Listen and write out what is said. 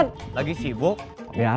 tidak lagi selalu tiba tiba